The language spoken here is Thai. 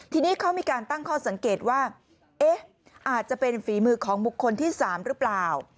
ทีนี้เขามีการตั้งข้อสังเกตว่าเอ๊ะอาจจะเป็นฝีมือของบุคคลที่๓หรือเปล่า